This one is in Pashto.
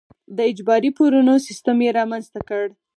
د اجباري پورونو سیستم یې رامنځته کړ.